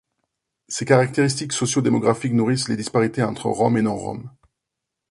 Ces caractéristiques socio-démographiques nourrissent les disparités entre Roms et non-Roms.